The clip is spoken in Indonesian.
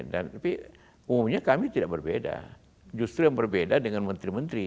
tapi umumnya kami tidak berbeda justru yang berbeda dengan menteri menteri